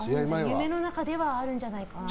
夢の中ではあるんじゃないかなと。